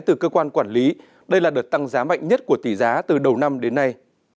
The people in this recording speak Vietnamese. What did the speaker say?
từ cơ quan quản lý đây là đợt tăng giá mạnh nhất của tỷ giá từ đầu năm đến nay